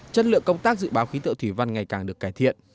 chất lượng công tác dự báo khí tượng thủy văn ngày càng được cải thiện